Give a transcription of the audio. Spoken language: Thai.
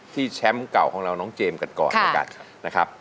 ที่แชมป์เก่าของเราน้องเจมส์กันก่อนนะครับ